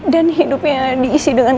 dan hidupnya diisi dengan